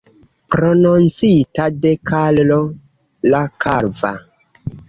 Prononcita de Karlo la Kalva.